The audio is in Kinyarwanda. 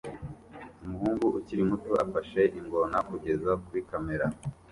Umuhungu ukiri muto afashe ingona kugeza kuri kamera